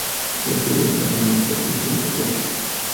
Estudió Germanística y Ciencia Política.